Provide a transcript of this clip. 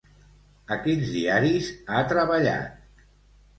A quins diaris ha treballat?